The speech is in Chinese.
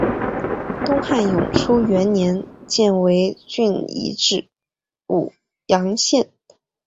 东汉永初元年犍为郡移治武阳县。